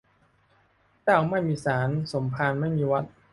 เจ้าไม่มีศาล สมภารไม่มีวัด